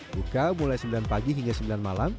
buka mulai sembilan pagi hingga sembilan malam